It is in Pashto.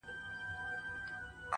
څه د خانانو- عزیزانو څه دربار مېلمانه-